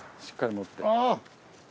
しっかり持って。